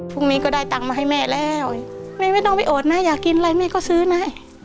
พรุ่งนี้ก็ได้ตังค์มาให้แม่แล้วแม่ไม่ต้องไปโอดนะอยากกินอะไรแม่ก็ซื้อนะ